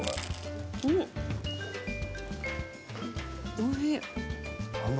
おいしい。